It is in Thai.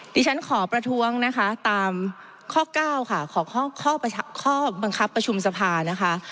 ดิฉันขอประท้วงนะคะตามข้อ๙ค่ะของข้อบังคับประชุมสภานะคะ